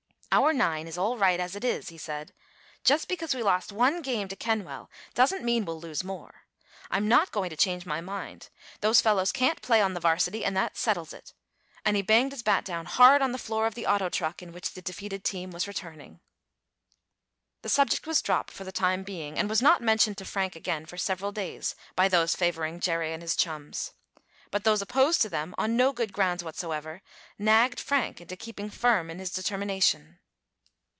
"Our nine is all right as it is," he said. "Just because we lost one game to Kenwell doesn't mean we'll lose more. I'm not going to change my mind. Those fellows can't play on the varsity, and that settles it," and he banged his bat down hard on the floor of the auto truck in which the defeated team was returning. The subject was dropped for the time being, and was not mentioned to Frank again for several days by those favoring Jerry and his chums. But those opposed to them, on no good grounds whatsoever, nagged Frank into keeping firm in his determination.